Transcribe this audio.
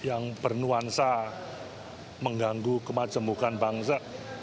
yang bernuansa mengganggu kemajemukan bangsa